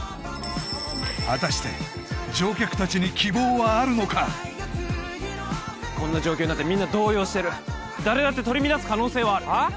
果たしてこんな状況になってみんな動揺してる誰だって取り乱す可能性はあるあっ？